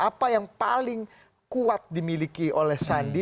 apa yang paling kuat dimiliki oleh sandi